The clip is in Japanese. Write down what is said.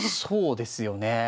そうですよね。